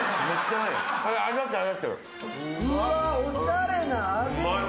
うわっおしゃれな味。